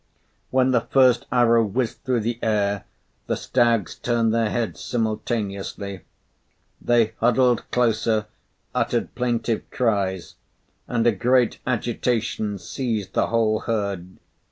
When the first arrow whizzed through the air, the stags turned their heads simultaneously. They huddled closer, uttered plaintive cries, and a great agitation seized the whole herd.